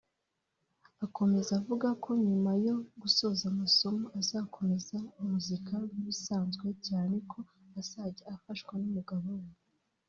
Akomeza avuga ko nyuma yo gusoza amasomo azakomeza umuziki nk’ibisanzwe cyane ko azajya afashwa n’umugabo we